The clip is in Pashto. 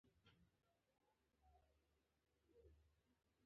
که وای، چارېګرد به مې کړی وای.